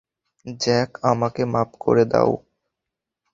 Jack, আমাকে মাফ করে দাও।